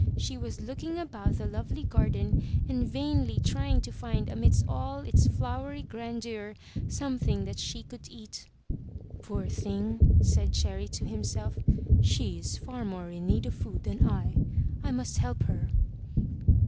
She was looking about the lovely garden and vainly trying to find amidst all its flowery grandeur something that she could eat. *Toor thing," said Cherry to himself, *'She is far more in need of food than I. I must help her.